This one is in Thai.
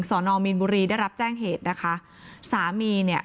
สอนอมีนบุรีได้รับแจ้งเหตุนะคะสามีเนี่ย